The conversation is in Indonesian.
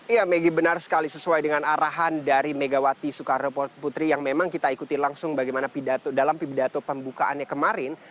ya megi benar sekali sesuai dengan arahan dari megawati soekarno putri yang memang kita ikuti langsung bagaimana dalam pidato pembukaannya kemarin